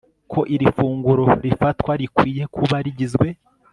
ko iri funguro rifatwa rikwiriye kuba rigizwe